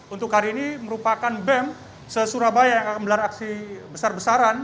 untuk kali ini merupakan bem se surabaya yang akan melar aksi besar besaran